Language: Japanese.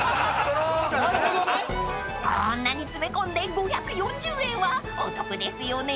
［こんなに詰め込んで５４０円はお得ですよね］